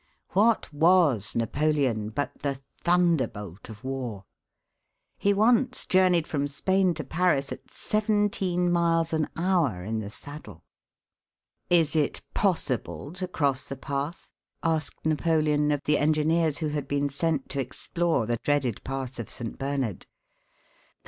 What was Napoleon but the thunderbolt of war? He once journeyed from Spain to Paris at seventeen miles an hour in the saddle. "Is it possible to cross the path?" asked Napoleon of the engineers who had been sent to explore the dreaded pass of St. Bernard.